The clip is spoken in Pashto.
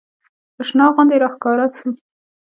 اشنا غوندې راښکاره سو.